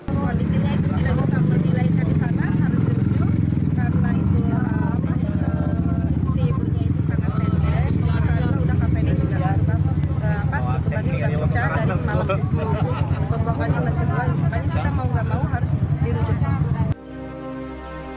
eis langsung diangkut dengan ambulans ke rumah sakit terdekat lantaran nyaris melahirkan